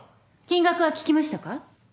金額は聞きましたか？